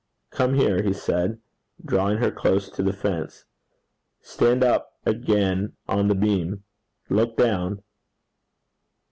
'Come here,' he said, drawing her close to the fence. 'Stand up again on the beam. Look down.'